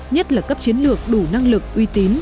nhất là cấp chiến lược đủ năng lực uy tín